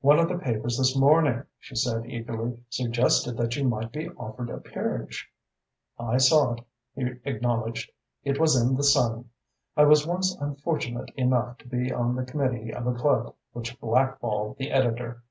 "One of the papers this morning," she said eagerly, "suggested that you might be offered a peerage." "I saw it," he acknowledged. "It was in the Sun. I was once unfortunate enough to be on the committee of a club which blackballed the editor."